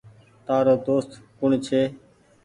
تآرو دوست ڪوڻ ڇي۔